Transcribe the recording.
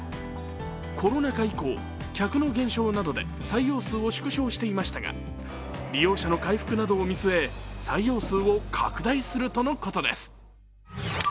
コロナ禍以降、客の減少などで採用数を縮小していましたが利用者の回復などを見据え、採用数を拡大するとのことです。